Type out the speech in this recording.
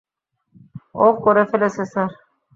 ও করে ফেলেছে স্যার।